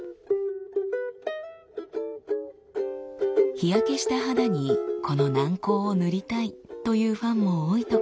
日焼けした肌にこの軟膏を塗りたいというファンも多いとか。